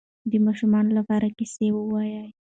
د ماشومانو لپاره کیسې ووایئ.